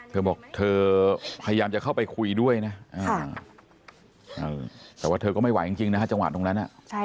เธอบอกเธอพยายามจะเข้าไปคุยด้วยนะแต่ว่าเธอก็ไม่ไหวจริงนะฮะจังหวะตรงนั้น